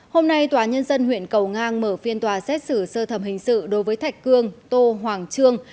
hôm nay tòa nhân dân huyện cầu ngang mở phiên tòa xét xử sơ thẩm hình sự đối với thạch cương tô hoàng trương